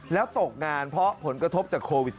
แล้วตกงานเพราะผลกระทบจากโควิด๑๙